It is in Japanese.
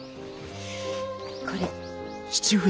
これ。